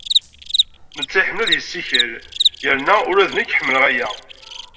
Netta iḥemmel ad yessikel, yerna ula d nekk ḥemmleɣ aya.